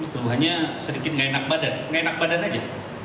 perubahannya sedikit nggak enak badan nggak enak badan aja